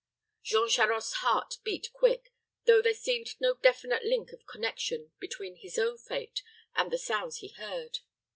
Jean Charost's heart beat quick, though there seemed no definite link of connection between his own fate and the sounds he heard.